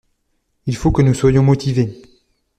Il faut que nous soyons motivés.